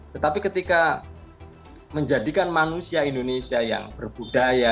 tetapi ketika menjadikan manusia indonesia yang berbudaya